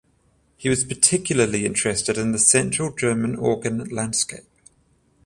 He was particularly interested in the Central German organ landscape.